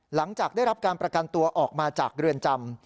หลังจากได้รับการประกันตัวออกมาจากเรือนจำ